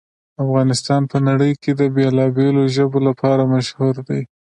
افغانستان په نړۍ کې د بېلابېلو ژبو لپاره مشهور دی.